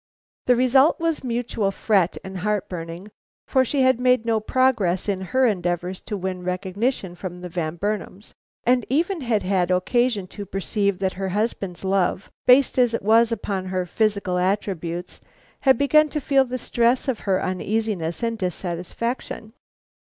The result was mutual fret and heartburning, for she had made no progress in her endeavors to win recognition from the Van Burnams; and even had had occasion to perceive that her husband's love, based as it was upon her physical attributes, had begun to feel the stress of her uneasiness and dissatisfaction.